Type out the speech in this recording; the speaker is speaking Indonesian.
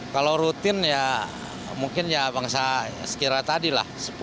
kalau rutin ya mungkin ya bangsa sekira tadi lah